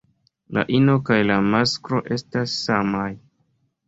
La ino kaj la masklo estas samaj.